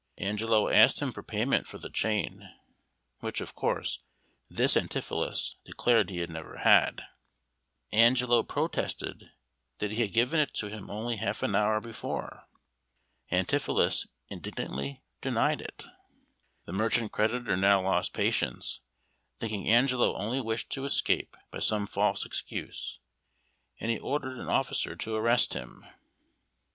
Angelo asked him for payment for the chain, which, of course, this Antipholus declared he had never had. Angelo protested that he had given it him only half an hour before. Antipholus indignantly denied it. The merchant creditor now lost patience, thinking Angelo only wished to escape by some false excuse, and he ordered an officer to arrest him.